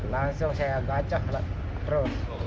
langsung saya gacah terus